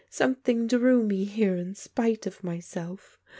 Something drew me here in spite of myself.